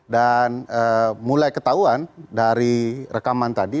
dan mulai ketahuan dari rekaman tadi